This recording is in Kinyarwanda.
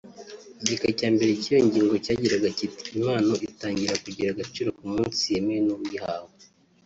Igika cya mbere cy’iyo ngingo cyagiraga kiti “Impano itangira kugira agaciro ku munsi yemewe n’uyihawe”